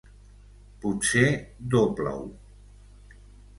Potser dobla-ho.